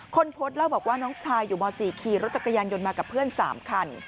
คนโพสต์เล่าบอกว่าน้องชายอยู่ม๔ขี่รถจักรยานยนต์มากับเพื่อน๓คัน